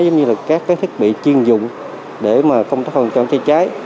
giống như là các thiết bị chuyên dụng để mà công tác phòng cháy chữa cháy